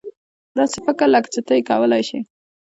داسې فکر لکه چې ته یې کولای شې.